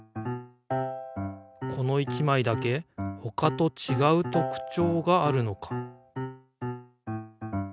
この１枚だけ他とちがう特徴があるのか？